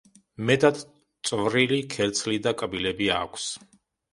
მეტად წვრილი ქერცლი და კბილები აქვს.